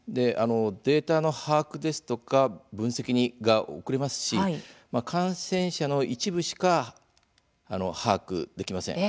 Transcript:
データの把握ですとか分析が遅れますし感染者の一部しか把握できません。